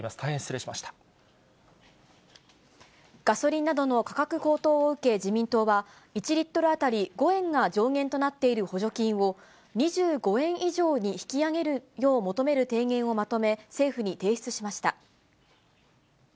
ガソリンなどの価格高騰を受け、自民党は１リットル当たり５円が上限となっている補助金を、２５円以上に引き上げるよう求める提言をまとめ、政府に提出しました。